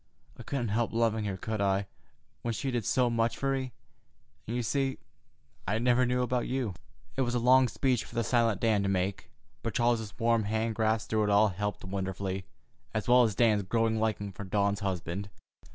I couldn't help loving her, could I, when she did so much for me? And, you see, I never knew about you." It was a long speech for the silent Dan to make, but Charles's warm hand grasp through it all helped wonderfully, as well as Dan's growing liking for Dawn's husband.